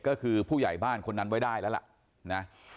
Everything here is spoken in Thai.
ก็คือผู้ใหญ่บ้านคนนั้นไว้ได้แล้วล่ะนะ